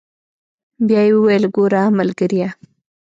بيا يې وويل ګوره ملګريه.